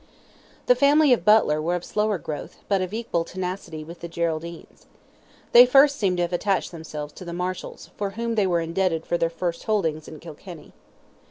The family of Butler were of slower growth, but of equal tenacity with the Geraldines. They first seem to have attached themselves to the Marshals, for whom they were indebted for their first holding in Kilkenny.